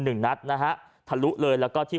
หนึ่งนัดนะฮะทะลุเลยแล้วก็ที่